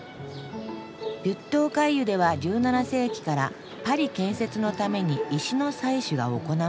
ビュットオカイユでは１７世紀からパリ建設のために石の採取が行われた。